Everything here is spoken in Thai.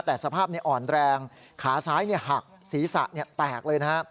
แต่สภาพอ่อนแรงขาซ้ายหักศีรษะแตกเลยนะฮะ